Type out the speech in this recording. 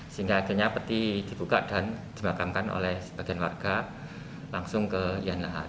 sehingga akhirnya peti dibuka dan dimakamkan oleh sebagian warga langsung ke yan lahat